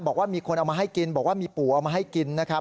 บอกว่ามีคนเอามาให้กินบอกว่ามีปู่เอามาให้กินนะครับ